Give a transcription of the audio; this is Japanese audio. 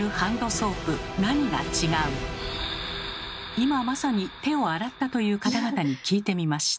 今まさに手を洗ったという方々に聞いてみました。